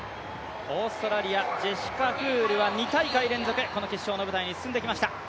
オーストラリア、ジェシカ・フールは２大会連続、この決勝の舞台に進んできました。